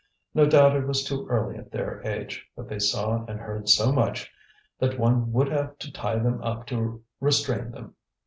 No doubt it was too early at their age, but they saw and heard so much that one would have to tie them up to restrain them.